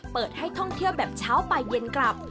เปิดให้ท่องเที่ยวแบบเช้าไปเย็นกลับ